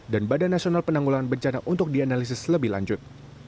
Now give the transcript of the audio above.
dan badan nasional penanggulan bencana untuk dianalisis lebih lanjut